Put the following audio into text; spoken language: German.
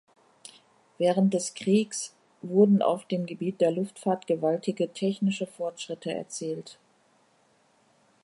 Während des Kriegs wurden auf dem Gebiet der Luftfahrt gewaltige technische Fortschritte erzielt.